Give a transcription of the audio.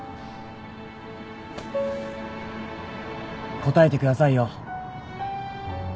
答えてくださいよ。